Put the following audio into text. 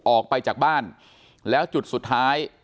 ออกไปจากบ้านแล้วจุดสุดท้าย